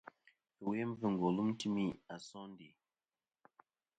Ɨwe mbvɨngo lum timi a sondè.